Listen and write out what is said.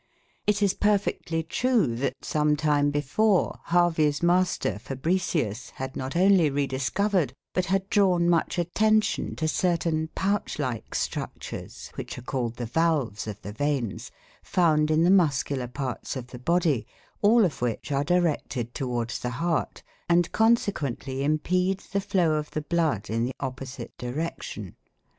It is perfectly true that, some time before, Harvey's master, Fabricius, had not only re discovered, but had drawn much attention to certain pouch like structures, which are called the valves of the veins, found in the muscular parts of the body, all of which are directed towards the heart, and consequently impede the flow of the blood in the opposite direction.